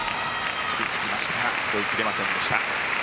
飛びつきましたが追いきれませんでした。